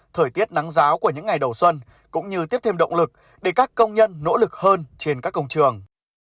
thời tiết nắng giáo của những ngày đầu xuân cũng như tiếp thêm động lực để các công nhân nỗ lực hơn trên các công trường